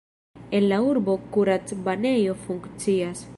En la urbo kuracbanejo funkcias.